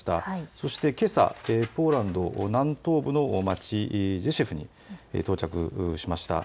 そしてけさ、ポーランド南東部の街、ジェシュフに到着しました。